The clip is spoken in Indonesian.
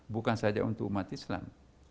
bukan saja untuk umat islam